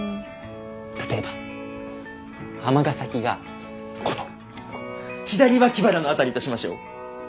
例えば尼崎がこの左脇腹の辺りとしましょう。